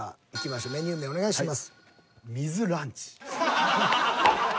メニュー名お願いします。